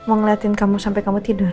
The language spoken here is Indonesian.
mau ngeliatin kamu sampai kamu tidur